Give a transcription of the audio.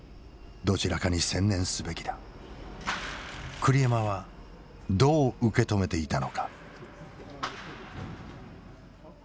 栗山はどう受け止めていたのか。